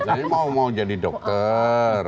saya mau mau jadi dokter